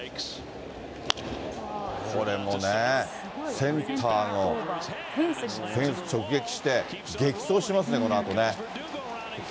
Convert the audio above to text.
これもね、センターのフェンス直撃して、激走しますね、このあとね。